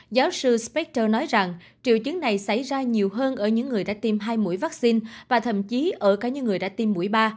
giáo sư spactor nói rằng triệu chứng này xảy ra nhiều hơn ở những người đã tiêm hai mũi vaccine và thậm chí ở cả những người đã tiêm mũi ba